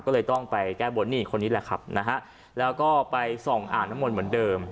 ก็เลยต้องไปแก้บนนี่คนนี้แหละครับนะฮะแล้วก็ไปส่องอ่างน้ำมนต์เหมือนเดิม